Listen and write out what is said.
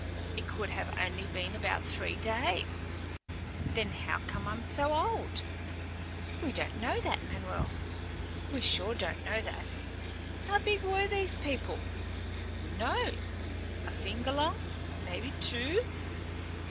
"It could have only been about three days." "Then how come I'm so old?" "We don't know that, Manuel, we sure don't know that. How big were these people?" "Who knows? A finger long, maybe two?"